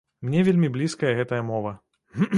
Мне вельмі блізкая гэтая мова.